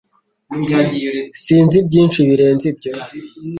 Sinzi byinshi birenze ibyo